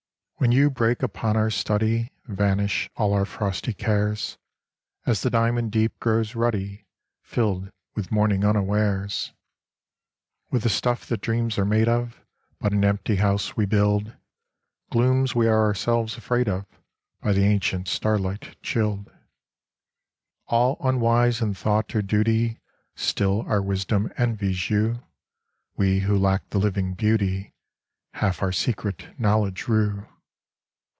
When you break upon our study Vanish all our frosty cares ; As the diamond deep grows ruddy, Filled with morning unawares. With the stuff that dreams are made of But an empty house we build : Glooms we are ourselves afraid of, By the ancient starlight chilled. All unwise in thought or duty Still our wisdom envies you : We who lack the living beauty Half our secret knowledge rue.